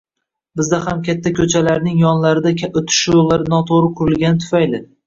Bizda ham katta ko‘chalarning yonlarida o‘tish joylari noto‘g‘ri qurilgani tufayli